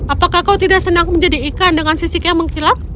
apakah kau tidak senang menjadi ikan dengan sisik yang mengkilap